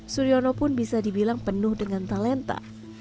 suryono pun bisa dibilang penuh dengan talenta